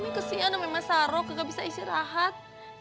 umi kesian sama emas saro kagak bisa istirahat